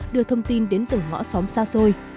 đưa thông tin đến từng ngõ xóm xa xôi